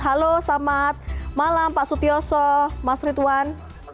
halo selamat malam pak sutioso mas rituan